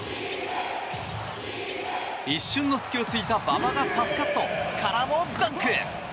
一瞬の隙を突いた馬場のパスカットからのダンク！